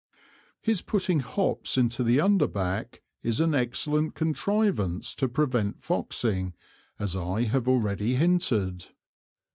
His putting Hops into the Underback, is an excellent Contrivance to prevent foxing, as I have already hinted.